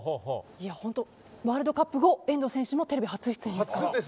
ワールドカップ後遠藤選手もテレビ初出演です。